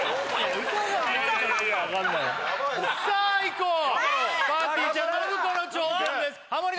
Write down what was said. こうぱーてぃーちゃん信子の挑戦ですハモリ